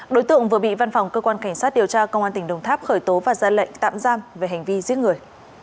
đối tượng vừa bị văn phòng cơ quan cảnh sát điều tra công an tỉnh đồng tháp khởi tố và ra lệnh tạm giam về hành vi giết người